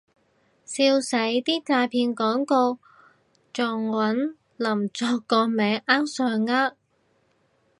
笑死，啲詐騙廣告仲搵林作個名呃上呃